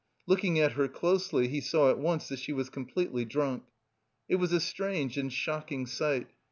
Looking at her closely, he saw at once that she was completely drunk. It was a strange and shocking sight.